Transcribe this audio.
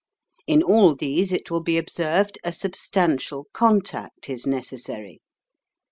In all these, it will be observed, a substantial contact is necessary.